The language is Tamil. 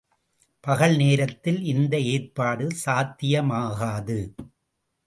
பகல் நேரத்தில் இந்த ஏற்பாடு சாத்தியமாகாது.